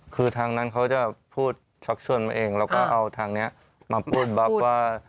คือทางนั้นเขาจะพูดชักชวนมาเองแล้วก็เอาทางนี้มาพูดบล็อกว่า